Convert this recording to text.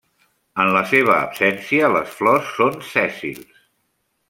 En la seva absència, les flors són sèssils.